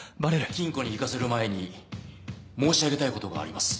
金庫に行かせる前に申し上げたいことがあります。